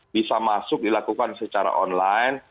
bisa masuk dilakukan secara online